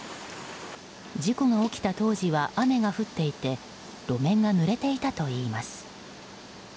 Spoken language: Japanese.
事故が起きた当時は雨が降っていて路面がぬれていたといいます。